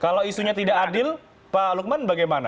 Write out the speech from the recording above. kalau isunya tidak adil pak lukman bagaimana